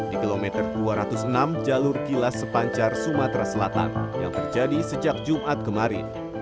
di kilometer dua ratus enam jalur kilas sepancar sumatera selatan yang terjadi sejak jumat kemarin